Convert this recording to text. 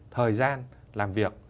thời gian làm việc